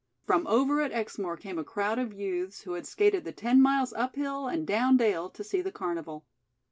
From over at Exmoor came a crowd of youths who had skated the ten miles up hill and down dale to see the carnival.